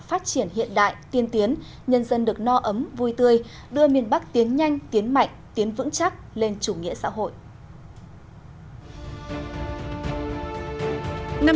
phát triển hiện đại tiên tiến nhân dân được no ấm vui tươi đưa miền bắc tiến nhanh tiến mạnh tiến vững chắc lên chủ nghĩa xã hội